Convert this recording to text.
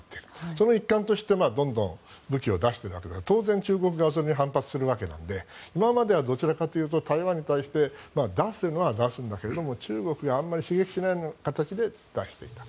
その一環としてどんどん武器を出して当然、中国はそれに反発するわけなので今まではどちらかというと台湾に対して出すのは出すんだけど中国をあまり刺激しないような形で出していた。